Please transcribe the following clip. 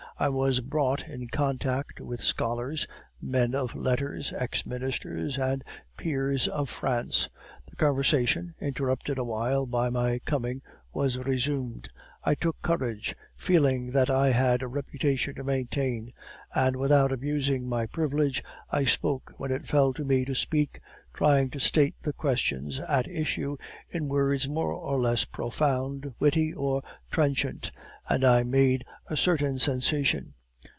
I was brought in contact with scholars, men of letters, ex ministers, and peers of France. The conversation, interrupted a while by my coming, was resumed. I took courage, feeling that I had a reputation to maintain, and without abusing my privilege, I spoke when it fell to me to speak, trying to state the questions at issue in words more or less profound, witty or trenchant, and I made a certain sensation.